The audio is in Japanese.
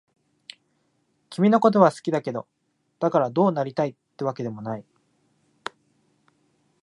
君のことは好きだけど、だからどうなりたいってわけでもない。